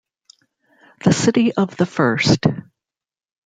The city of the first.